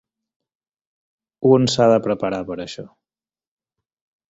Un s'ha de preparar per a això.